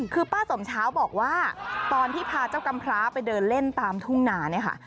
คือป้าสมเช้าบอกว่าตอนที่พาเจ้ากำพร้าไปเดินเล่นตามทุ่งนาเนี่ยค่ะ